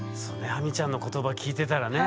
ハミちゃんの言葉聞いてたらね。